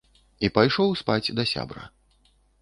І пайшоў спаць да сябра.